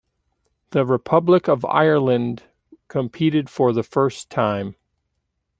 The Republic of Ireland competed for the first time.